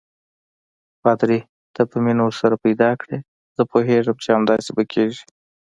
پادري: ته به مینه ورسره پیدا کړې، زه پوهېږم چې همداسې به کېږي.